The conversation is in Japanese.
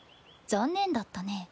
残念だったね。